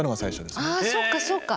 あそっかそっか。